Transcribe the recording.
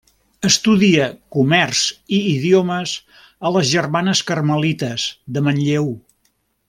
Estudia comerç i idiomes a les germanes carmelites de Manlleu.